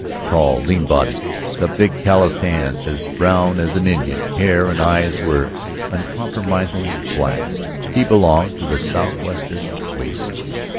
Tall, lean bodied, with big calloused hands, as brown as an Indian, hair and eyes were uncompromisingly black. He belonged to the southwestern wastes.